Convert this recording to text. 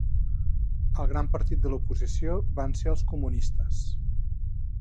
El gran partit de la oposició van ser els comunistes.